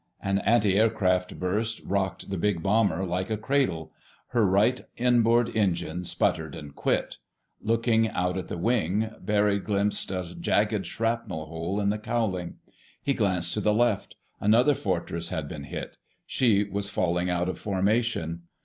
An antiaircraft burst rocked the big bomber like a cradle. Her right inboard engine sputtered and quit. Looking out at the wing, Barry glimpsed a jagged shrapnel hole in the cowling. He glanced to the left. Another Fortress had been hit. She was falling out of formation.